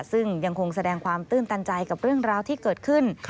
ซึ่งยังคงแสดงความตื้นตันใจกับเรื่องราวที่เกิดขึ้น